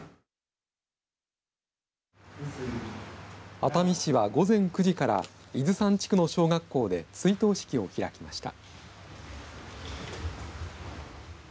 熱海市は午前９時から伊豆山地区の小学校で追悼式を開きました。